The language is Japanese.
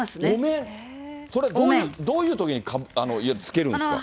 それ、どういうときにつけるんですか？